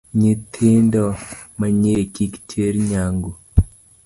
Nyithindo manyiri kik ter nyangu.